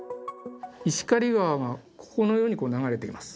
石狩川が、このように流れています。